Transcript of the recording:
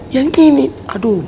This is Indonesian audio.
yang ini aduh